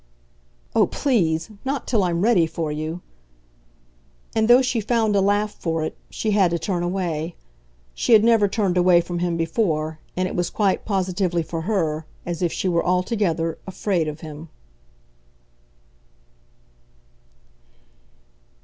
"Oh, please, not till I'm ready for you!" and, though she found a laugh for it, she had to turn away. She had never turned away from him before, and it was quite positively for her as if she were altogether afraid of him.